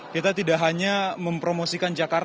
kita tidak hanya mempromosikan jakarta